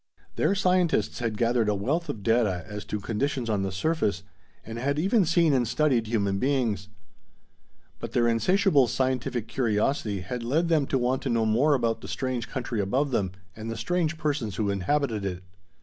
Their scientists had gathered a wealth of data as to conditions on the surface, and had even seen and studied human beings. But their insatiable scientific curiosity had led them to want to know more about the strange country above them and the strange persons who inhabited it.